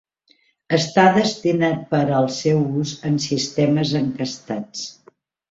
Està destinat per al seu ús en sistemes encastats.